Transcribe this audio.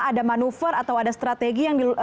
ada manuver atau ada strategi yang bisa diperlukan